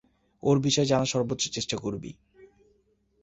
ওর বিষয়ে জানার সর্বোচ্চ চেষ্টা করবি।